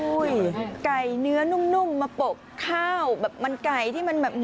อุ๊ยไก่เนื้อนุ่มมาปกข้าวมันไก่ที่มัน